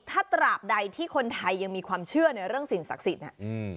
ถ้าตราบใดที่คนไทยยังมีความเชื่อในเรื่องสิ่งศักดิ์สิทธิ์